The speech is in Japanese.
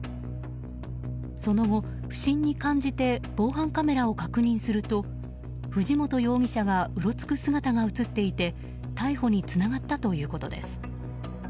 その後、不審に感じて防犯カメラを確認すると藤本容疑者がうろつく姿が映っていて逮捕につながったということです。